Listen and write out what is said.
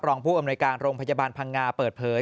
รองผู้อำนวยการโรงพยาบาลพังงาเปิดเผย